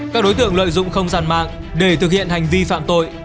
các đối tượng lợi dụng không gian mạng để thực hiện hành vi phạm tội